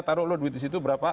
taruh lu duit disitu berapa